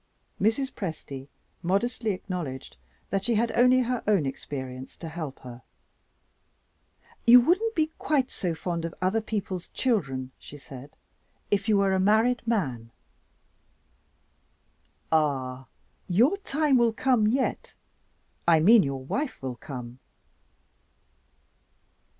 Mrs. Presty modestly acknowledged that she had only her own experience to help her. "You wouldn't be quite so fond of other people's children," she said, "if you were a married man. Ah, your time will come yet I mean your wife will come."